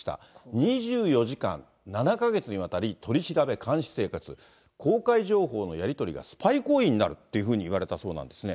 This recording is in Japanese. ２４時間、７か月にわたり、取り調べ、監視生活、公開情報のやり取りがスパイ行為になるというふうに言われたそうなんですね。